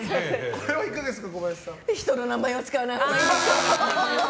これはいかがですか？